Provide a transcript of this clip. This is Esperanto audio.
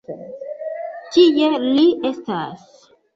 Tie li estas.